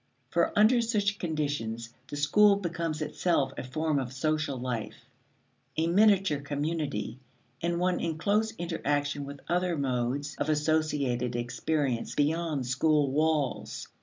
For under such conditions, the school becomes itself a form of social life, a miniature community and one in close interaction with other modes of associated experience beyond school walls.